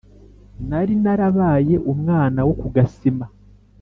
nari narabaye umwana wo ku gasima